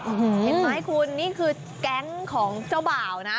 เห็นไหมคุณนี่คือแก๊งของเจ้าบ่าวนะ